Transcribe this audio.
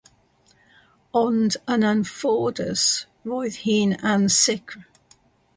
Ond yn anffodus roedd hi'n ansicr.